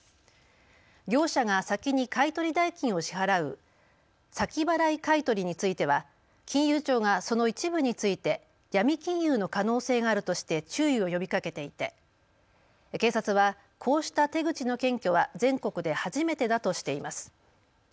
業者が先に買い取り代金を支払う先払い買い取りについては金融庁がその一部についてヤミ金融の可能性があるとして注意を呼びかけていて警察は、こうした手口の検挙は全国で初めてだとしています。